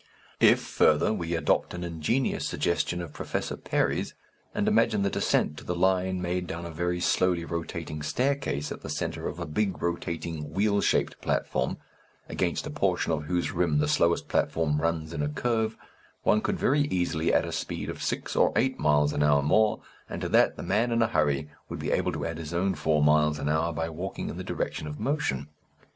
If, further, we adopt an ingenious suggestion of Professor Perry's, and imagine the descent to the line made down a very slowly rotating staircase at the centre of a big rotating wheel shaped platform, against a portion of whose rim the slowest platform runs in a curve, one could very easily add a speed of six or eight miles an hour more, and to that the man in a hurry would be able to add his own four miles an hour by walking in the direction of motion.